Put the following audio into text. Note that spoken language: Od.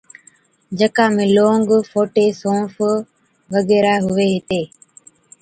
جڪا ۾ لونگ، فوٽي، سونف وغيرہ ھُوي ھِتي